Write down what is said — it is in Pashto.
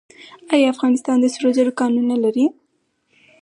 آیا افغانستان د سرو زرو کانونه لري؟